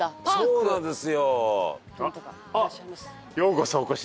そうなんです。